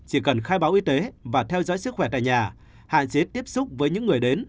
chỉ cần khai báo y tế và theo dõi sức khỏe tại nhà hạn chế tiếp xúc với những người đến